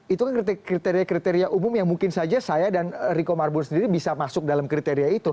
itu kan kriteria kriteria umum yang mungkin saja saya dan riko marbun sendiri bisa masuk dalam kriteria itu